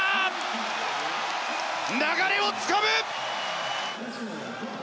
流れをつかむ！